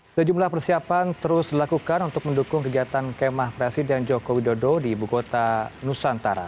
sejumlah persiapan terus dilakukan untuk mendukung kegiatan kemah presiden joko widodo di ibu kota nusantara